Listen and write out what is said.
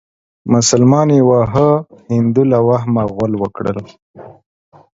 مسلمان يې واهه هندو له وهمه غول وکړه.